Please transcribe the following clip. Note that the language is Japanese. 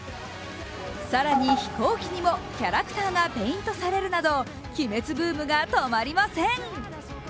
更に飛行機にも、キャラクターがペイントされるなど「鬼滅」ブームが止まりません。